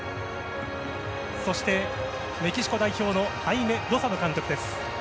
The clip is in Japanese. そしてメキシコ代表のハイメ・ロサノ監督です。